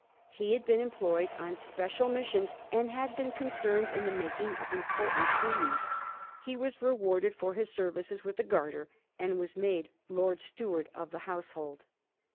He had been employed on special missions and had been concerned in the making of important treaties. He was rewarded for his services with the Garter, and was made Lord Steward 8 A HISTORY OF THE FOUR GEORGEa ch.xxx. of the Household.